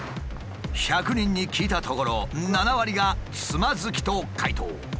１００人に聞いたところ７割が「つまずき」と回答。